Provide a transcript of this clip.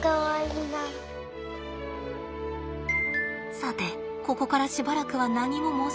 さてここからしばらくは何も申しません。